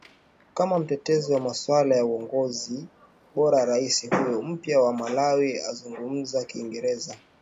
kama mtetezi wa masuala ya uongozi bora Rais huyo mpya wa malawi anayezungumza kiingezera